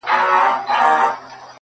د تاریخي کرنې ښځې تخمونه کرلې.